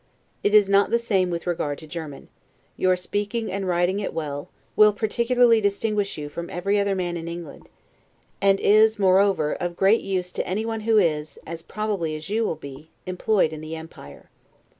It is not the same with regard to German; your speaking and writing it well, will particularly distinguish you from every other man in England; and is, moreover, of great use to anyone who is, as probably you will be, employed in the Empire.